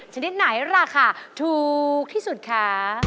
ชนิดไหนราคาถูกที่สุดคะ